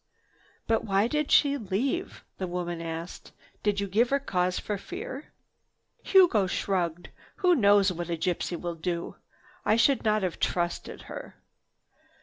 "But why did she leave?" the woman asked. "Did you give her cause for fear?" Hugo shrugged. "Who knows what a gypsy will do? I should not have trusted her.